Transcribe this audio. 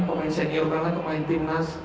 pemain senior banget pemain tim nas